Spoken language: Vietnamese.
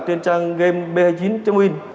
trên trang game b hai mươi chín win